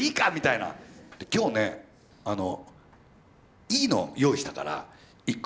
で今日ねあのいいのを用意したから１個。